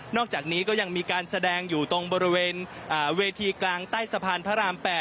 อกจากนี้ก็ยังมีการแสดงอยู่ตรงบริเวณเวทีกลางใต้สะพานพระราม๘